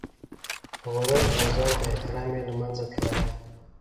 غرور او ځان ته احترام یې له منځه تللي دي.